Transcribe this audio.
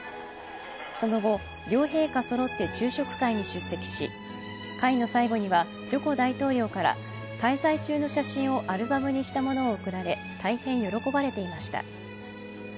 その後、両陛下そろって昼食会に出席し会の最後にはジョコ大統領から滞在中の写真をアルバムにしたものを贈られ大変喜ばれていました。